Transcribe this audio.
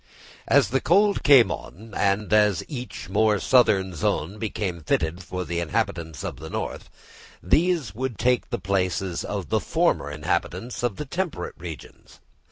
As the cold came on, and as each more southern zone became fitted for the inhabitants of the north, these would take the places of the former inhabitants of the temperate regions.